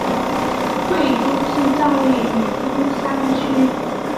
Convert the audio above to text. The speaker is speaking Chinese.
会议中心站位于中山区。